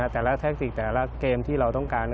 แต่ละแท็กติกแต่ละเกมที่เราต้องการ